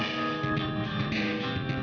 terima kasih chandra